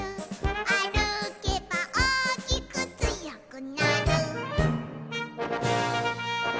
「あるけばおおきくつよくなる」